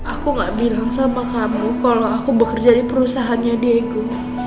aku gak bilang sama kamu kalau aku bekerja di perusahaannya diego